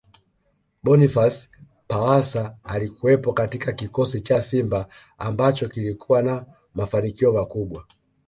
Boniface Pawasa Alikuwepo katika kikosi cha Simba ambacho kilikuwa na mafanikio makubwa